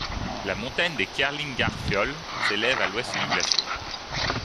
La montagne des Kerlingarfjöll s'élève à l'ouest du glacier.